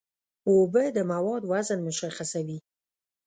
اوبه د موادو وزن مشخصوي.